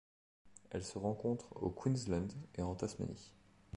Elles se rencontrent au Queensland et en Tasmanie.